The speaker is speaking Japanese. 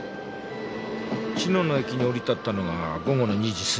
茅野の駅に降り立ったのが午後の２時過ぎ。